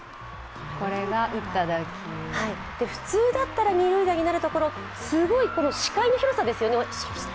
普通だったら二塁打になるところ、すごい視界の広さですよね。